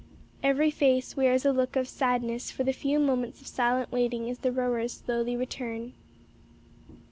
Every face wears a look of sadness for the few moments of silent waiting as the rowers slowly return.